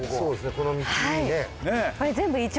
この道ね。